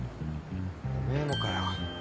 おめえもかよ。